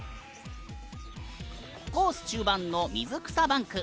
コース中盤の水草バンク。